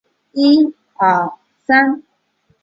辽国外戚。